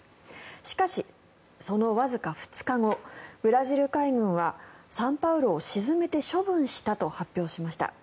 しかし、そのわずか２日後ブラジル海軍は「サンパウロ」を沈めて処分したと発表しました。